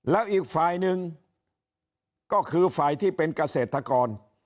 แล้วอีกฝ่ายหนึ่งก็คือฝ่ายที่เป็นเกษตรกร